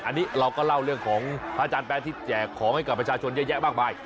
อันนี้เราก็เล่าเรื่องของพระอาจารย์แป๊ที่แจกของให้กับประชาชนเยอะแยะมากมาย